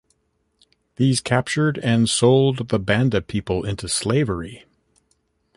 These captured and sold the Banda people into slavery.